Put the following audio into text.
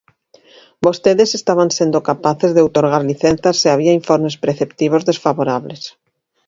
Vostedes estaban sendo capaces de outorgar licenzas se había informes preceptivos desfavorables.